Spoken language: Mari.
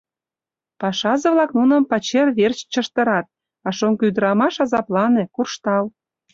Пашазе-влак нуным пачер верч чыштырат, а шоҥго ӱдрамаш азаплане, куржтал».